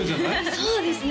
そうですね